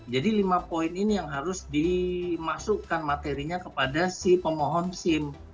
jadi lima poin ini yang harus dimasukkan materinya kepada si pemohon sim